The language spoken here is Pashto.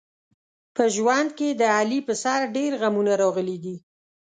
په ژوند کې د علي په سر ډېر غمونه راغلي دي.